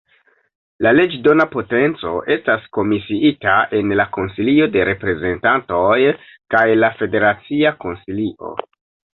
La leĝdona potenco estas komisiita en la Konsilio de Reprezentantoj kaj la Federacia Konsilio.